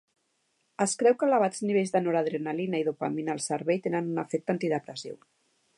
Es creu que elevats nivells de noradrenalina i dopamina al cervell tenen un efecte antidepressiu.